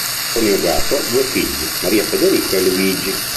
Coniugato, due figli Maria Federica e Luigi.